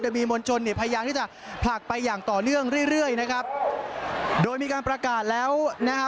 มีมวลชนเนี่ยพยายามที่จะผลักไปอย่างต่อเนื่องเรื่อยเรื่อยนะครับโดยมีการประกาศแล้วนะฮะ